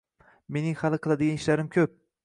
Mening hali qiladigan ishlarim ko‘p”